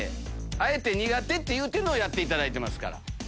あえて苦手って言うてるのをやっていただいてますから。